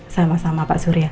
sama sama pak surya